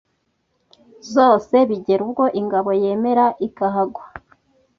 zose bigera ubwo ingabo yemera ikahagwa